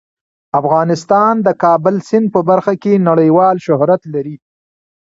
افغانستان د د کابل سیند په برخه کې نړیوال شهرت لري.